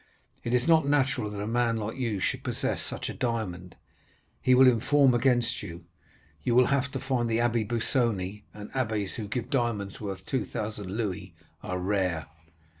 It is not natural that a man like you should possess such a diamond. He will inform against you. You will have to find the Abbé Busoni; and abbés who give diamonds worth two thousand louis are rare.